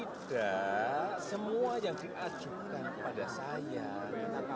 tidak semua yang diajukan kepada saya